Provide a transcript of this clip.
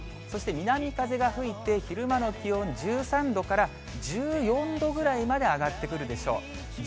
そして、南風が吹いて、昼間の気温１３度から１４度ぐらいまで上がってくるでしょう。